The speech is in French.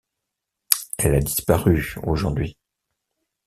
Elle a disparu aujourd'hui.